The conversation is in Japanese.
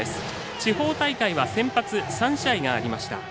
地方大会は先発３試合がありました。